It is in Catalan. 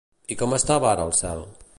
I com estava ara el cel?